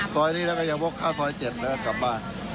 ซอยนี้แล้วก็ยังวกสายอีกนะ